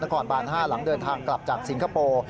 ตั้งก่อนบาน๕หลังเดินทางกลับจากสิงคโปร์